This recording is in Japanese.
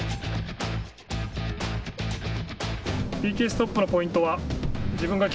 ＰＫストップのポイントは自分が